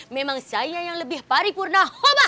memang saya yang lebih paripurna